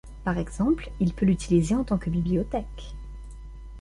Par exemple, il peut l'utiliser en tant que bibliothèque.